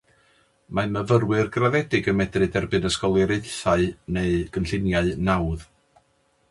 Mae myfyrwyr graddedig yn medru derbyn ysgoloriaethau neu gynlluniau nawdd.